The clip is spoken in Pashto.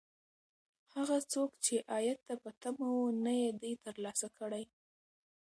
هغه څوک چې عاید ته په تمه و، نه یې دی ترلاسه کړی.